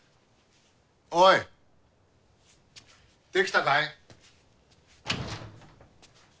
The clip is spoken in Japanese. おいできたかい？